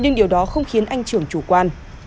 nhưng điều đó không khiến anh trưởng chủ quan